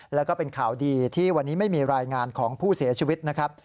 แล้วก็เป็นข่าวดีที่วันนี้ไม่มีรายงานของผู้เสียชีวิตนะครับ